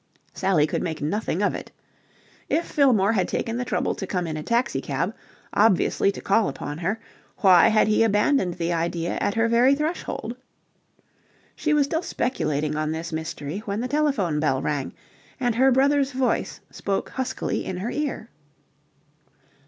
Sally could make nothing of it. If Fillmore had taken the trouble to come in a taxi cab, obviously to call upon her, why had he abandoned the idea at her very threshold? She was still speculating on this mystery when the telephone bell rang, and her brother's voice spoke huskily in her ear.